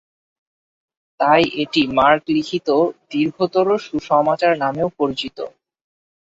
তাই এটি মার্ক লিখিত দীর্ঘতর সুসমাচার নামেও পরিচিত।